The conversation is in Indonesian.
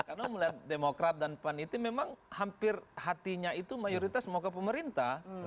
karena melihat demokrat dan pan itu memang hampir hatinya itu mayoritas mau ke pemerintah